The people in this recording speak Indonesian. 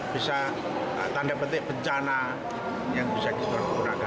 bisa tanda petik bencana yang bisa kita gunakan